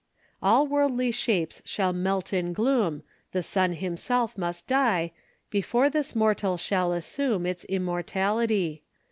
"All worldly shapes shall melt in gloom, The sun himself must die, Before this mortal shall assume Its immortality!